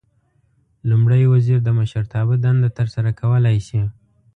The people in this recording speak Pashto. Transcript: لومړی وزیر د مشرتابه دنده ترسره کولای شي.